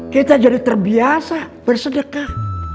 kita jadi terbiasa bersedekah